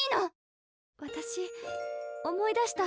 私思い出した。